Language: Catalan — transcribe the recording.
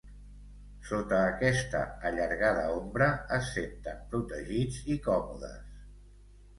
Sota aquesta allargada ombra es senten protegits i còmodes.